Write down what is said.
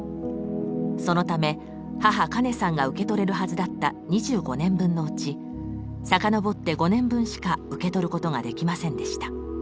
そのため母・カネさんが受け取れるはずだった２５年分のうち遡って５年分しか受け取ることができませんでした。